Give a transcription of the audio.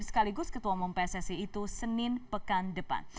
sekaligus ketua umum pssi itu senin pekan depan